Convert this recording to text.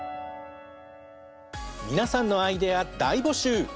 皆さんのアイデア大募集！